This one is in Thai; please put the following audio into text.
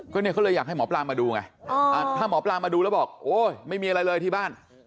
ก็เนี่ยเขาเลยอยากให้หมอปลามาดูไงถ้าหมอปลามาดูแล้วบอกโอ๊ยไม่มีอะไรเลยที่บ้าน